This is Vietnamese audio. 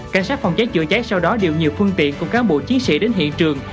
cảnh sát phòng cháy chữa cháy sau đó điều nhiều phương tiện cùng cán bộ chiến sĩ đến hiện trường